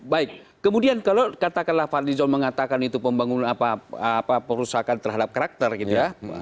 baik kemudian kalau katakanlah fadlizon mengatakan itu pembangunan apa perusahaan terhadap karakter gitu ya